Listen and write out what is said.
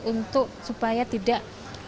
untuk supaya tidak